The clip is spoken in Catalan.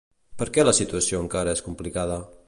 Per què la situació encara és complicada?